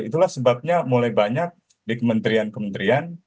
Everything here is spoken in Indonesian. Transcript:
itulah sebabnya mulai banyak di kementerian kementerian